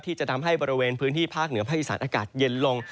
ที่จะทำให้บริเวณพื้นที่ภาคเหนือภาคอีสานอากาศเย็นลง